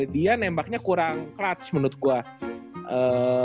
dia nembaknya kurang clots menurut gue